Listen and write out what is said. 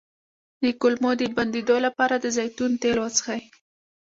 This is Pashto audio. د کولمو د بندیدو لپاره د زیتون تېل وڅښئ